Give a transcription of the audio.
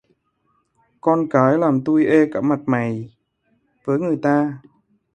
Con cái làm tui ê cả mặt cả mày với người ta